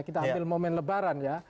kita ambil momen lebaran ya